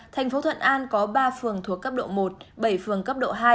thành phố thuận an có ba phường thuộc cấp độ một bảy phường cấp độ hai